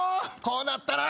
こうなったら？